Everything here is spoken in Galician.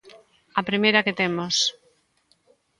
A primeira que temos.